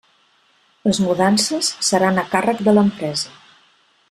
Les mudances seran a càrrec de l'empresa.